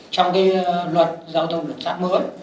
trong cái luật giao thông đường sắt mới